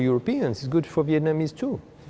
cho các công ty